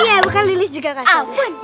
iya bukan lili juga kak satam